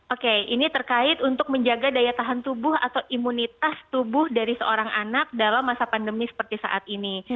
oke ini terkait untuk menjaga daya tahan tubuh atau imunitas tubuh dari seorang anak dalam masa pandemi seperti saat ini